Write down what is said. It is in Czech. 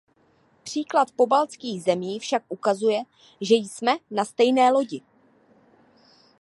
Příklad pobaltských zemí však ukazuje, že jsme na stejné lodi.